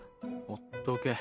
ほっとけ。